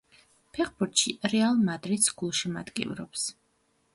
ფეხბურთში „რეალ მადრიდს“ გულშემატკივრობს.